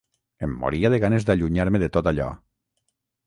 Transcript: Em moria de ganes d'allunyar-me de tot allò